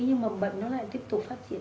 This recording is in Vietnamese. nhưng mà bận nó lại tiếp tục phát triển